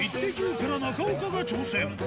から中岡が挑戦。